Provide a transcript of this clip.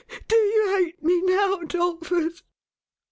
Do you hate me now, 'Dolphus